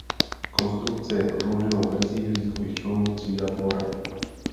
Konstrukce je prodlouženou verzí hlídkových člunů třída "Dvora".